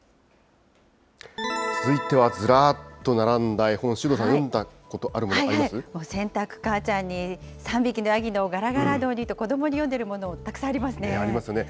続いてはずらっと並んだ絵本、首藤さん、せんたくかあちゃんに、三びきのやぎのがらがらどんにと、子どもに読んでるもの、たくさんあありますよね。